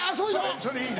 それいいね。